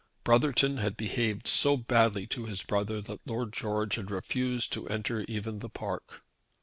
Brotherton had behaved so badly to his brother that Lord George had refused to enter even the park.